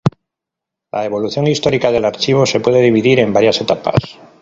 La evolución histórica del Archivo se puede dividir en varias etapas.